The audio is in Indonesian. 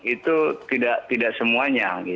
itu tidak semuanya